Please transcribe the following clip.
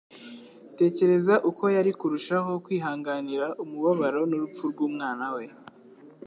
Tekereza uko yari kurushaho kwihanganira umubabaro n'urupfu rw'Umwana we